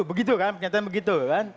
begitu kan pernyataan begitu kan